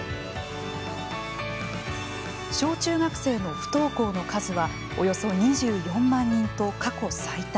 小中学生の不登校の数はおよそ２４万人と過去最多。